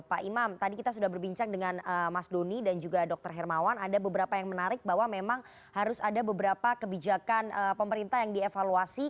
pak imam tadi kita sudah berbincang dengan mas doni dan juga dr hermawan ada beberapa yang menarik bahwa memang harus ada beberapa kebijakan pemerintah yang dievaluasi